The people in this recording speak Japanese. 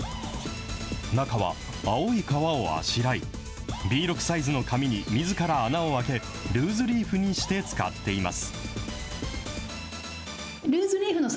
中は青い革をあしらい、Ｂ６サイズの紙にみずから穴を開け、ルーズリーフにして使っています。